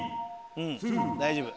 大丈夫。